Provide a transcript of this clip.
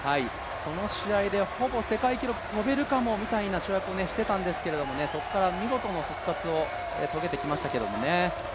その試合でほぼ世界記録跳べるかもみたいな跳躍をしていたんですけれども、そこから見事な復活を遂げてきましたけどもね。